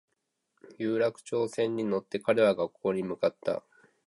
有楽町線に乗って彼は学校に向かった